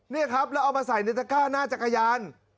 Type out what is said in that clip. นี่ครับแล้วเอามาใส่ในตะก้าหน้าจักรยาน